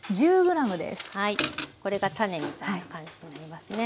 これが種みたいな感じになりますね。